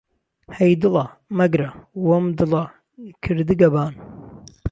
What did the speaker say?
ههی دڵه -- ،مهگره، وهم دڵه کردگه بان